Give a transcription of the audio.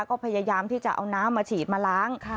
ก็พยายามที่จะเอาน้ำมาฉีดมาล้าง